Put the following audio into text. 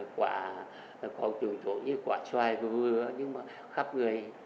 quả kho trường chỗ như quả xoài vừa vừa nhưng mà khắp người